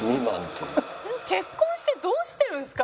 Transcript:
結婚してどうしてるんですか？